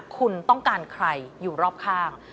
คุณต้องการใครอยู่รอบข้าง